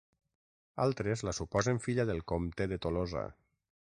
Altres la suposen filla del comte de Tolosa.